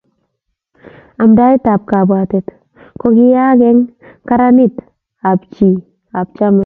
Amndaet ab kabwetet kokiyayak eng karanit ab chi ab chamait